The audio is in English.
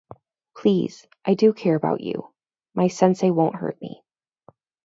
Please, I do care about you, my sensei won't hurt me.